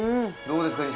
どうですか？